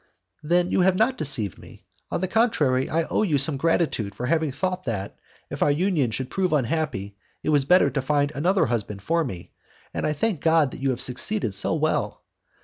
"Then you have not deceived me. On the contrary, I owe you some gratitude for having thought that, if our union should prove unhappy, it was better to find another husband for me, and I thank God that you have succeeded so well.